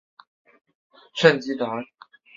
圣基兰。